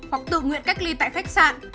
hoặc tự nguyện cách ly tại khách sạn